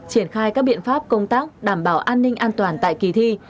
triển khai các biện pháp công tác đảm bảo an ninh an toàn tại kỳ thi